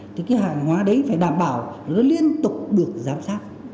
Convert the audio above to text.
thì cái hàng hóa đấy phải đảm bảo nó liên tục được giám sát